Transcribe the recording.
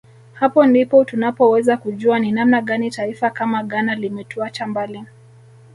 Hapo ndipo tunapoweza kujua ni namna gani taifa kama Ghana limetuacha mbali